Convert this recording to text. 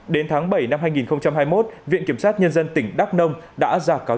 đến tháng bảy năm hai nghìn hai mươi một viện kiểm tra bảo dự